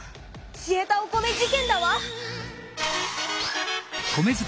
消えたお米事件だわ！